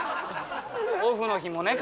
オフの日もね